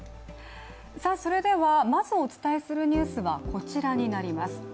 それでは、まずお伝えするニュースはこちらになります。